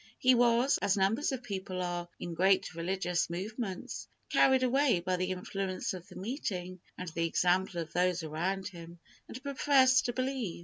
He was, as numbers of people are, in great religious movements, carried away by the influence of the meeting, and the example of those around him, and professed to believe.